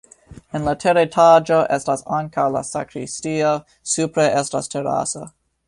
En la teretaĝo estas ankaŭ la sakristio, supre estas teraso.